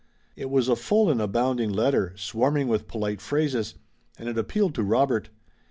It was a full and abounding letter, swarming with polite phrases, and it appealed to Robert.